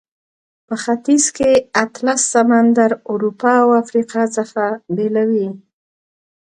په ختیځ کې اطلس سمندر اروپا او افریقا څخه بیلوي.